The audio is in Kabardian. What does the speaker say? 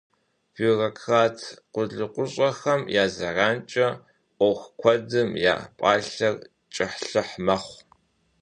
Бюрократ къулыкъущӏэхэм я зэранкӏэ ӏуэху куэдым я пӏалъэр кӏыхьлӏыхь мэхъу.